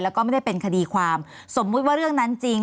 แล้วก็ไม่ได้เป็นคดีความสมมุติว่าเรื่องนั้นจริง